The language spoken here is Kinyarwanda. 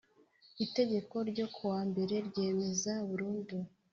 itegeko ryo ku wa mbere ryemeza burundu